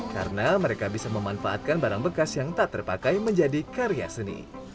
karena mereka bisa memanfaatkan barang bekas yang tak terpakai menjadi karya seni